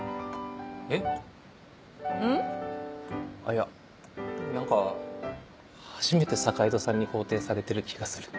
いや何か初めて坂井戸さんに肯定されてる気がする。